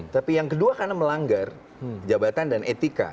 tapi yang kedua karena melanggar jabatan dan etika